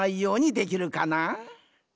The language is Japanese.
できるかな？